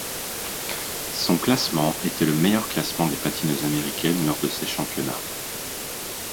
Son classement était le meilleur classement des patineuses américaines lors de ses championnats.